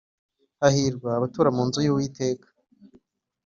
Hahirwa abatura mu nzu y’Uwiteka